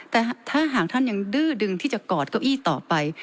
แต่ถ้าหากท่านยังดื้อดึงที่จะกอดเก้าอี้ต่อไป